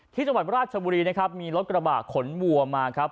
ที่จังหวัดราชบุรีนะครับมีรถกระบะขนวัวมาครับ